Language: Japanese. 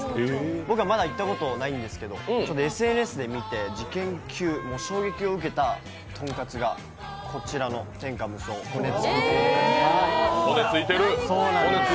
僕はまだ行ったことないんですけど、ＳＮＳで見て事件級、衝撃を受けたとんかつがこちらの天下無双骨付とんかつ。